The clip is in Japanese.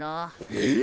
えっ！？